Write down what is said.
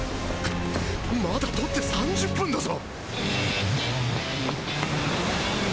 まだ取って３０分だぞ！